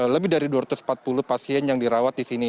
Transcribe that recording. lebih dari dua ratus empat puluh pasien yang dirawat di sini